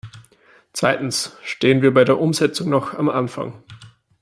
Zweitens stehen wir bei der Umsetzung noch am Anfang.